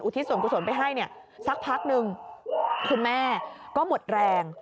ทิศส่วนกุศลไปให้เนี่ยสักพักนึงคุณแม่ก็หมดแรง